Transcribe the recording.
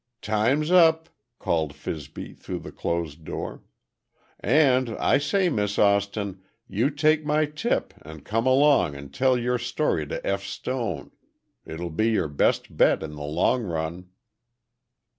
"Time's up," called Fibsy through the closed door. "And, I say, Miss Austin, you take my tip, and come along and tell your story to F. Stone. It'll be your best bet in the long run."